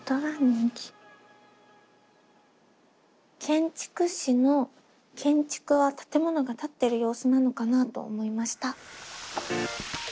「建築士」の「建築」は建物が建ってる様子なのかなと思いました。